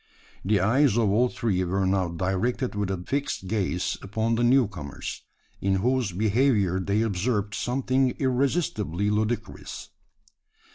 The eyes of all three were now directed with a fixed gaze upon the new comers, in whose behaviour they observed something irresistibly ludicrous.